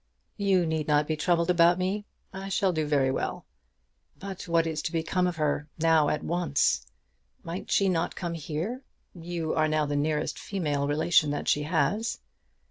"You need not be troubled about me. I shall do very well. But what is to become of her, now at once? Might she not come here? You are now the nearest female relation that she has."